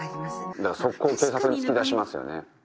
だから即行警察に突き出しますよね。